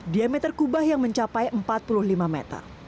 diameter kubah yang mencapai empat puluh lima meter